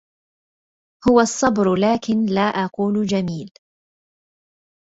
هو الصبر لكن لا أقول جميل